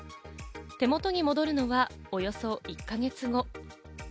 手元に戻るのは、およそ１か月後。